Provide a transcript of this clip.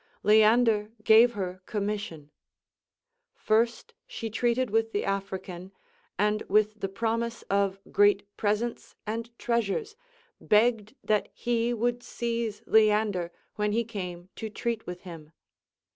Leander gave her commission. First she treated with the African, and with the promise of great presents and treasures begged that he would seize Leander when he came to treat \vith him.